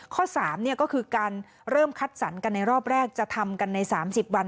๓ก็คือการเริ่มคัดสรรกันในรอบแรกจะทำกันใน๓๐วัน